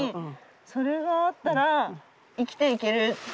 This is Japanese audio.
それがあったら生きていける。